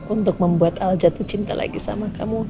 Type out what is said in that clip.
untuk membuat al jatuh cinta lagi sama kamu